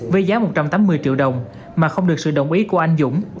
với giá một trăm tám mươi triệu đồng mà không được sự đồng ý của anh dũng